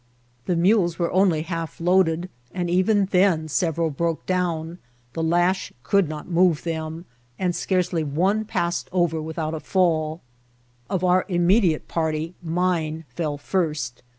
The mules were only half loaded, and even then several broke down ; the lash could not move them ; and scarcely one passed over without a fall. Of our immediate party, mine fell first.